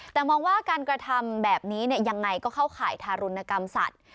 แต่มองว่าการกระทำแบบนี้ยังไงก็เข้าข่ายทารุณกรรมสัตว์